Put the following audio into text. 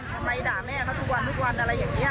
ด่าแม่เขาทุกวันทุกวันอะไรอย่างนี้